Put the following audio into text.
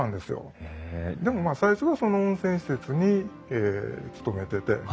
でもまあ最初はその温泉施設に勤めてて。